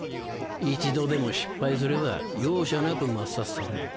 一度でも失敗すれば容赦なく抹殺される。